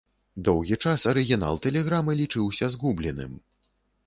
Доўгі час арыгінал тэлеграмы лічыўся згубленым.